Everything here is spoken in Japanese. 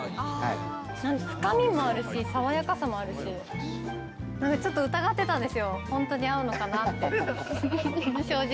深みもあるし、爽やかさもあるし、なんかちょっと疑ってたんですよ、本当に合うのかなって、正直。